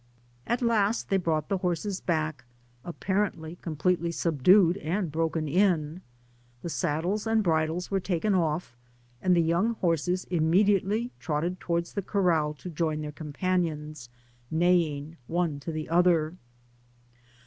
At last they brought the horses back, apparently completely subdued and broken in. The saddles and bridles were taken off, and the young horses immediately trotted towards the corrdl to join their companions, neighing one to the other.